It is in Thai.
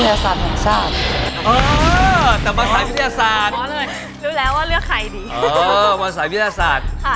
โอ้โหวันสายวิทยาศาสตร์